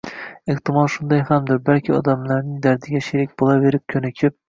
Ehtimol shunday hamdir. Balki, odamlarning dardiga sherik bo'laverib ko'nikib